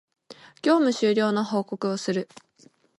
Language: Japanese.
業務終了の報告をする